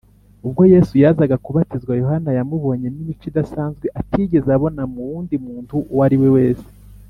Ubwo Yesu yazaga kubatizwa, Yohana yamubonyemo imico idasanzwe atigeze abona mu wundi muntu uwo ariwe wese